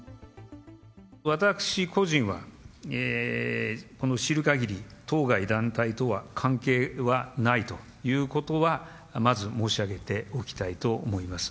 私個人は知るかぎり、当該団体とは関係はないということは、まず申し上げておきたいと思います。